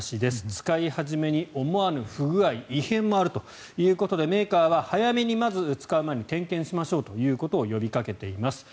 使い始めに思わぬ不具合異変もあるということでメーカーは早めに使う前に点検しましょうということを呼びかけています。